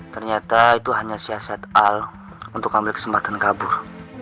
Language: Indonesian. ternyata itu hanya siasat al untuk ambil kesempatan kabur